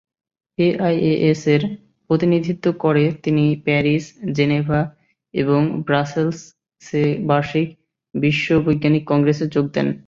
এআইএএস-এর প্রতিনিধিত্ব করে তিনি প্যারিস, জেনেভা এবং ব্রাসেলসে বার্ষিক বিশ্ব বৈজ্ঞানিক কংগ্রেসে যোগ দেন।